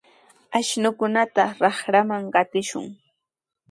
Ashnukunata raqraman qatishun.